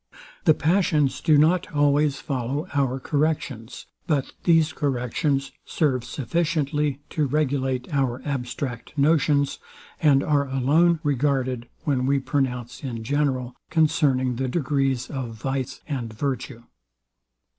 The passions do not always follow our corrections; but these corrections serve sufficiently to regulate our abstract notions, and are alone regarded, when we pronounce in general concerning the degrees of vice and virtue.